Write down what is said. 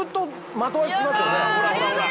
ほらほらほら。